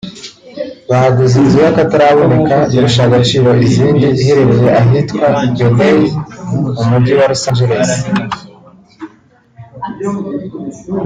baguze inzu y’akataraboneka irusha agaciro izindi iherereye ahitwa Bel Air mu Mujyi wa Los Angeles